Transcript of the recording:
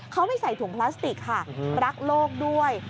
เขาไม่ใส่ถุงพลาสติกค่ะรักโลกด้วย